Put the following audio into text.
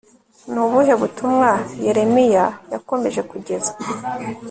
ni ubuhe butumwa yeremiya yakomeje kugeza